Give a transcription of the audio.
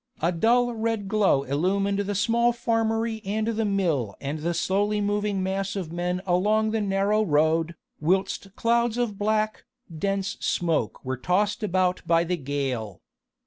A dull red glow illumined the small farmery and the mill and the slowly moving mass of men along the narrow road, whilst clouds of black, dense smoke were tossed about by the gale.